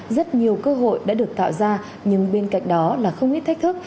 rất nhiều cơ hội đã được tạo ra nhưng bên cạnh đó là không ít thách thức